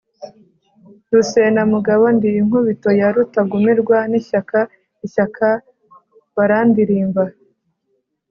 Rusenamugabo ndi inkubito ya Rutagumirwa n’ishyaka, ishyaka barandilimba.